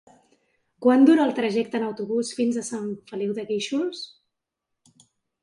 Quant dura el trajecte en autobús fins a Sant Feliu de Guíxols?